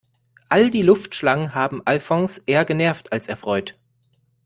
All die Luftschlangen haben Alfons eher genervt als erfreut.